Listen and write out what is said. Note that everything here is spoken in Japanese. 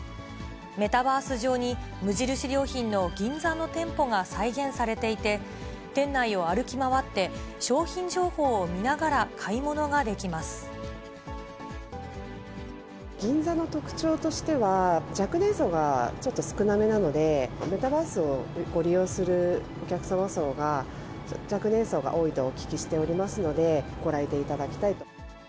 メタバース上に、無印良品の銀座の店舗が再現されていて、店内を歩き回って、商品情報を見ながら銀座の特徴としては、若年層がちょっと少なめなので、メタバースをご利用するお客様層が、若年層が多いとお聞きしておりますので、ご来店いただきたいと。